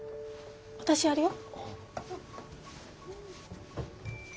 私やるよ。